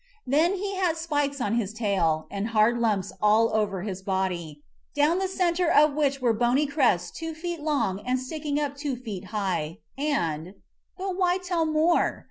Then he had spikes on his tail, and hard lumps all over his body, down the center of which were bony crests two feet long and sticking up two feet high, and But why tell more